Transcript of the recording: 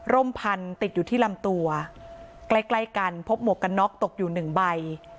่มพันธุ์ติดอยู่ที่ลำตัวใกล้ใกล้กันพบหมวกกันน็อกตกอยู่หนึ่งใบ